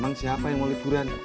emang siapa yang mau liburan